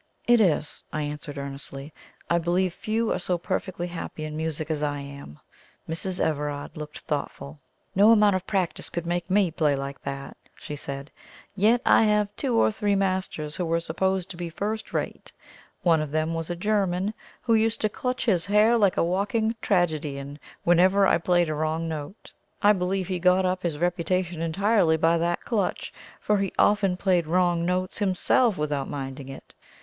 "It is," I answered earnestly. "I believe few are so perfectly happy in music as I am." Mrs. Everard looked thoughtful. "No amount of practice could make ME play like that," she said; "yet I have had two or three masters who were supposed to be first rate. One of them was a German, who used to clutch his hair like a walking tragedian whenever I played a wrong note. I believe he got up his reputation entirely by that clutch, for he often played wrong notes himself without minding it.